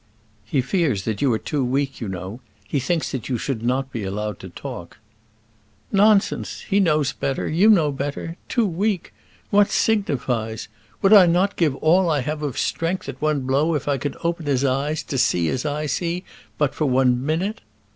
"He fears that you are too weak, you know: he thinks that you should not be allowed to talk." "Nonsense! he knows better; you know better. Too weak! what signifies? Would I not give all that I have of strength at one blow if I could open his eyes to see as I see but for one minute?"